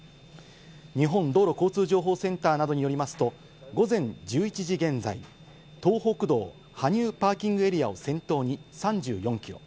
日本道路交通情報センターなどによりますと、午前１１時現在、東北道・羽生パーキングエリアを先頭に３４キロ。